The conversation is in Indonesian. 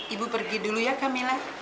ibu pergi dulu ya camillah